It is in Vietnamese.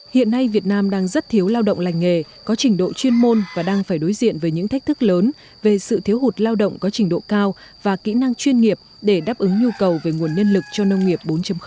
hiện nay việt nam đang rất thiếu lao động lành nghề có trình độ chuyên môn và đang phải đối diện với những thách thức lớn về sự thiếu hụt lao động có trình độ cao và kỹ năng chuyên nghiệp để đáp ứng nhu cầu về nguồn nhân lực cho nông nghiệp bốn